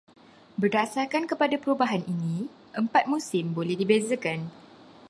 Berdasarkan kepada perubahan ini, empat musim boleh dibezakan.